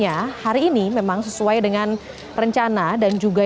yaitu anies baswedan dan juga